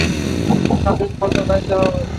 দাদির মতো গাইতে হবে।